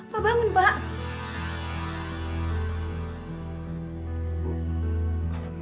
pak bangun pak